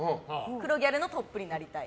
黒ギャルのトップになりたい。